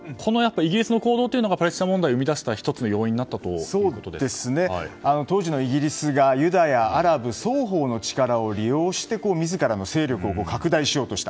イギリスの行動というのがパレスチナ問題を生み出した当時のイギリスがユダヤ、アラブ双方の力を利用して自らの勢力を拡大しようとした。